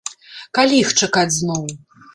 Калі іх чакаць зноў?